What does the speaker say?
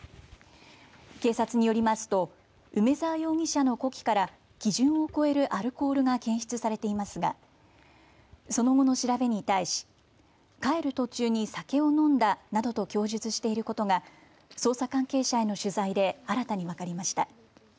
警察によりますと梅澤容疑者の呼気から基準を超えるアルコールが検出されていますがその後の調べに対し帰る途中に酒を飲んだなどと供述していることが捜査関係者への取材で新たに分かりました。